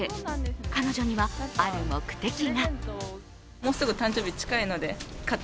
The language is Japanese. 彼女にはある目的が。